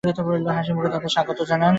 হাসিমুখে তাদের স্বাগত জানান।